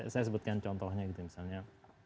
saya sebutkan contohnya misalnya